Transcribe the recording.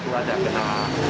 itu ada kena